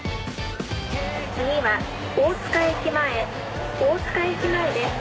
次は大塚駅前大塚駅前です。